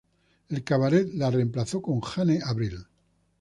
El cabaret la reemplazó con Jane Avril.